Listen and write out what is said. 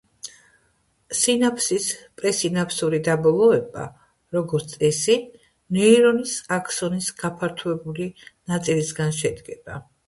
სინაფსის პრესინაფსური დაბოლოება, როგორც წესი, ნეირონის აქსონის გაფართოებული ნაწილისგან შედგება.